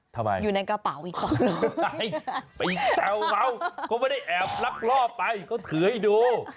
ทำไมไปเจาเขาเขาไม่ได้แอบรับรอบไปเขาถือให้ดู